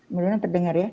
menurut saya terdengar ya